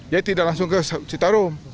jadi tidak langsung ke citarum